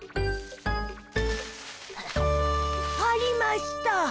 ありました！